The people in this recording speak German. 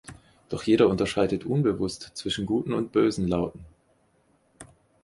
Doch jeder unterscheidet unbewusst zwischen guten und bösen Lauten.